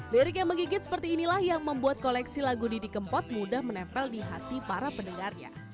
lirik yang menggigit seperti inilah yang membuat koleksi lagu didi kempot mudah menempel di hati para pendengarnya